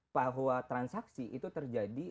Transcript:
bahwa transaksi itu terjadi